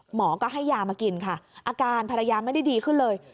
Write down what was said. หมอก็ให้ยามากินค่ะอาการภรรยาไม่ได้ดีขึ้นเลย